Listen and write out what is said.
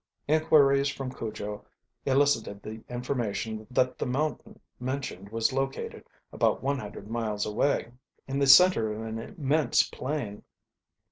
Inquiries from Cujo elicited the information that the mountain mentioned was located about one hundred miles away, in the center of an immense plain.